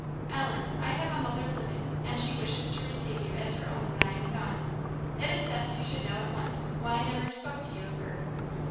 "Ellen, I have a mother living, and she wishes to receive you as her own when I am gone. It is best you should know at once why I never spoke to you of her.